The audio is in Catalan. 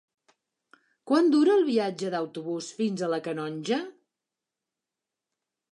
Quant dura el viatge en autobús fins a la Canonja?